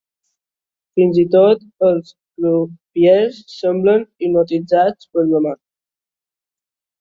Fins i tot els crupiers semblen hipnotitzats per la Mar.